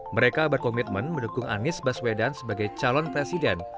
mereka berkomitmen mendukung anies baswedan sebagai calon presiden